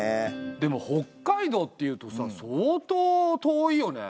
でも北海道っていうとさ相当遠いよね。